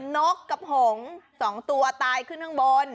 นกกับหง๒ตัวตายขึ้นข้างบน